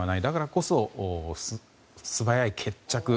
だからこそ素早い決着